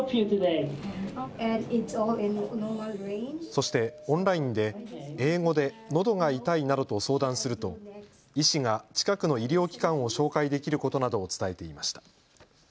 そしてオンラインで英語でのどが痛いなどと相談すると医師が近くの医療機関を紹介できることなどを伝えていました。